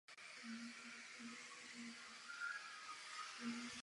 Navštěvovala střední školu ve Švýcarsku.